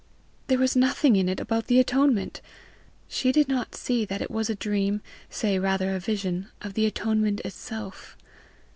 There was nothing in it about the atonement! She did not see that it was a dream, say rather a vision, of the atonement itself.